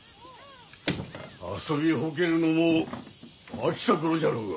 遊びほうけるのも飽きた頃じゃろうが。